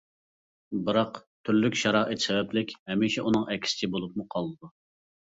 بىراق، تۈرلۈك شارائىت سەۋەبلىك ھەمىشە ئۇنىڭ ئەكسىچە بولۇپمۇ قالىدۇ.